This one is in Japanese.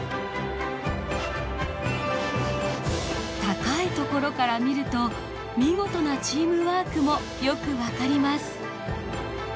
高い所から見ると見事なチームワークもよく分かります。